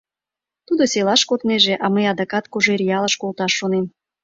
Тудо селаш коднеже, а мый адакат Кожеръялыш колташ шонем.